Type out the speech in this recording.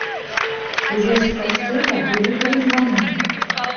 У вежы касцёла былі тры званы.